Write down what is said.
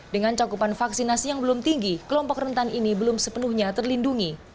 dengan cakupan vaksinasi yang belum tinggi kelompok rentan ini belum sepenuhnya terlindungi